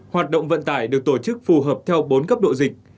hoạt động vận tải được tổ chức phù hợp theo bốn cấp độ dịch